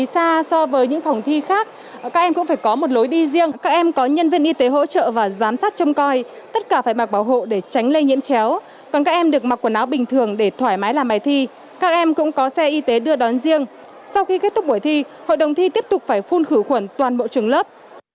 sau khi kết thúc buổi thi hội đồng thi tiếp tục phải phun khử khuẩn toàn bộ trường lớp